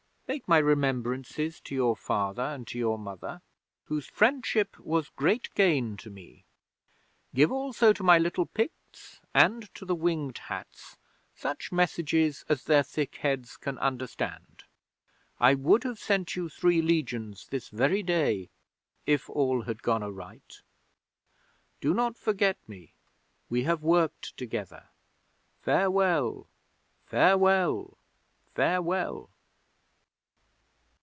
Make my remembrances to your Father and to your Mother, whose friendship was great gain to me. Give also to my little Picts and to the Winged Hats such messages as their thick heads can understand. I would have sent you three Legions this very day if all had gone aright. Do not forget me. We have worked together. Farewell! Farewell! Farewell!